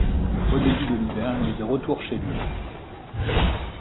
Au début de l'hiver il est de retour chez lui.